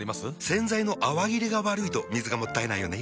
洗剤の泡切れが悪いと水がもったいないよね。